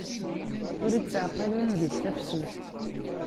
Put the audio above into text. Ur ittaɛqal ungif tafsut.